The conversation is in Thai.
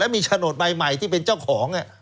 มีโฉนดใบใหม่ที่เป็นเจ้าของ